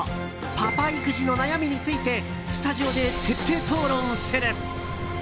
パパ育児の悩みについてスタジオで徹底討論する！